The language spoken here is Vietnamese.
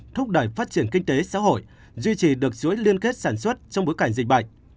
thúc đẩy phát triển kinh tế xã hội duy trì được suối liên kết sản xuất trong bối cảnh dịch bệnh